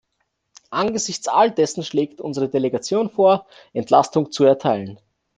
Angesichts all dessen schlägt unsere Delegation vor, Entlastung zu erteilen.